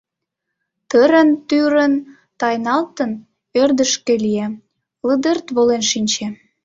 Тырын-тӱрын тайналтын, ӧрдыжкӧ лие, лыдырт волен шинче.